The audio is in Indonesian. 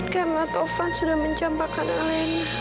karena taufan sudah mencampakkan alena